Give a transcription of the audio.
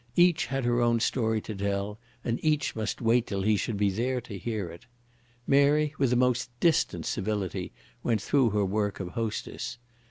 Each had her own story to tell, and each must wait till he should be there to hear it. Mary with a most distant civility went through her work of hostess.